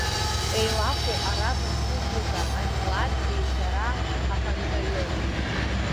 Еилахәу Араб республика амилаҭ еизара ахантәаҩы.